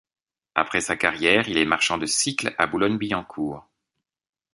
Après sa carrière, il est marchand de cycles à Boulogne-Billancourt.